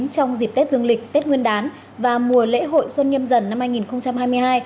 trong dịp tết dương lịch tết nguyên đán và mùa lễ hội xuân nhâm dần năm hai nghìn hai mươi hai